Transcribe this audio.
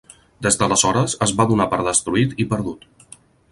Des d'aleshores es va donar per destruït i perdut.